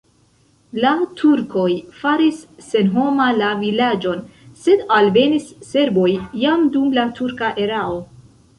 La turkoj faris senhoma la vilaĝon, sed alvenis serboj jam dum la turka erao.